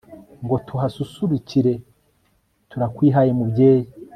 ngo tuhasusurukire, turakwihaye mubyeyi